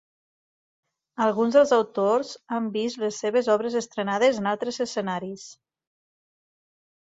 Alguns dels autors han vist les seves obres estrenades en altres escenaris.